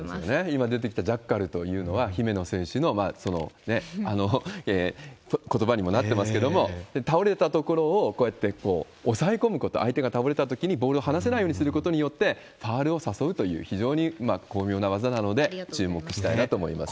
今出てきたジャッカルというのは、姫野選手のことばにもなってますけれども、倒れたところを、こうやって抑え込むこと、相手が倒れたときに、ボールを離せないようにすることによってファウルを誘うという、非常に巧妙な技なので、注目したいなと思いますね。